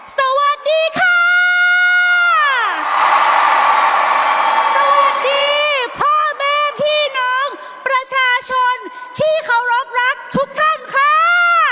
สวัสดีค่ะสวัสดีพ่อแม่พี่น้องประชาชนที่เคารพรักทุกท่านค่ะ